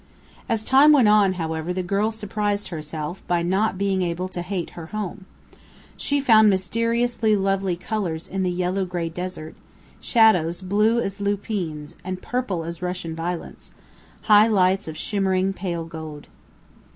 As time went on, however, the girl surprised herself by not being able to hate her home. She found mysteriously lovely colours in the yellow gray desert; shadows blue as lupines and purple as Russian violets; high lights of shimmering, pale gold.